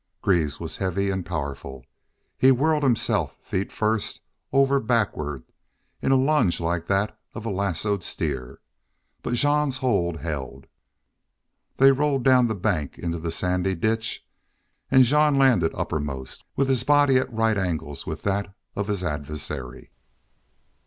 Greaves was heavy and powerful. He whirled himself, feet first, over backward, in a lunge like that of a lassoed steer. But Jean's hold held. They rolled down the bank into the sandy ditch, and Jean landed uppermost, with his body at right angles with that of his adversary.